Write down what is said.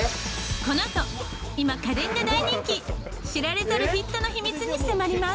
このあと今家電が大人気知られざるヒットの秘密に迫ります。